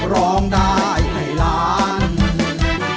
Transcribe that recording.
ร้องได้ให้ล้าน